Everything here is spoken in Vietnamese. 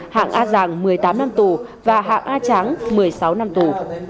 hạng a giàng một mươi tám năm tù và hạ a tráng một mươi sáu năm tù